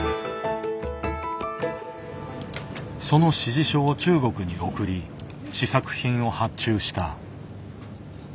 その指示書を中国に送り試作品を発注した。